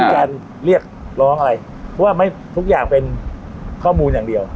การเรียกร้องอะไรเพราะว่าทุกอย่างเป็นข้อมูลอย่างเดียว